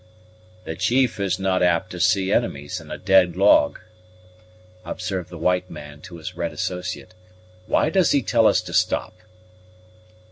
"The Chief is not apt to see enemies in a dead log," observed the white man to his red associate; "why does he tell us to stop?"